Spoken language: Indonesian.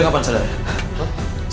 ini kapan kesadarannya